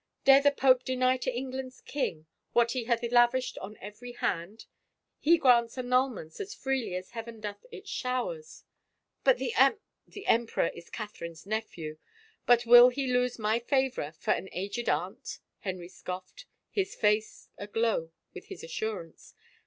'* Dare the pope deny to England's king what he hath lavished on every hand? He grants annulments as freely as Heaven doth its showers —"" But the emp —"" The emperor is Catherine's nephew, but will he lose no A VISION OF A CROWN my favor for an aged aunt?" Henry scoffed, his face aglow with his assurance.